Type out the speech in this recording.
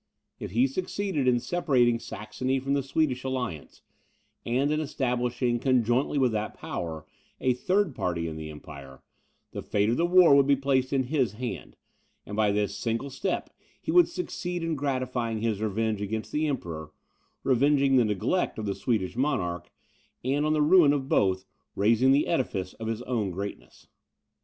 If he succeeded in separating Saxony from the Swedish alliance, and in establishing, conjointly with that power, a third party in the Empire, the fate of the war would be placed in his hand; and by this single step he would succeed in gratifying his revenge against the Emperor, revenging the neglect of the Swedish monarch, and on the ruin of both, raising the edifice of his own greatness.